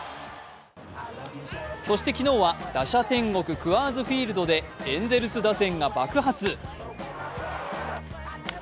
そして昨日は打者天国クアーズ・フィールドでエンゼルス打線が爆発。